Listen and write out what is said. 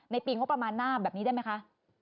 ปีงบประมาณหน้าแบบนี้ได้ไหมคะ